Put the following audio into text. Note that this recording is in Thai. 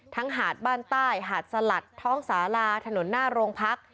หาดบ้านใต้หาดสลัดท้องสาลาถนนหน้าโรงพัก